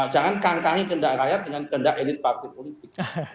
jangan kangkangi kehendak rakyat dengan kehendak elit partai politik